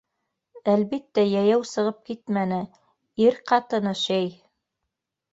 Әлбиттә, йәйәү сығып китмәне, ир ҡатыны, шәй.